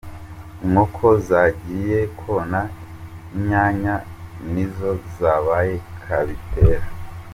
Inkoko zagiye kona inyanya nizo zabaye kabitera.